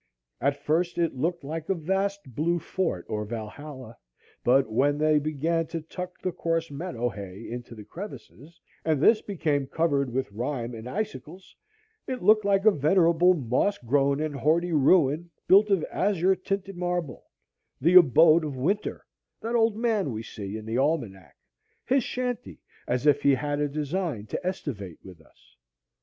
At first it looked like a vast blue fort or Valhalla; but when they began to tuck the coarse meadow hay into the crevices, and this became covered with rime and icicles, it looked like a venerable moss grown and hoary ruin, built of azure tinted marble, the abode of Winter, that old man we see in the almanac,—his shanty, as if he had a design to estivate with us.